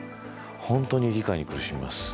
本当に理解に苦しみます。